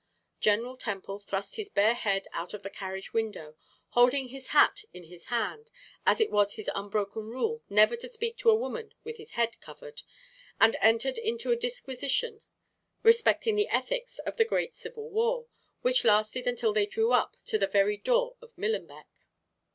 General Temple thrust his bare head out of the carriage window, holding his hat in his hand, as it was his unbroken rule never to speak to a woman with his head covered, and entered into a disquisition respecting the ethics of the great civil war, which lasted until they drew up to the very door of Millenbeck.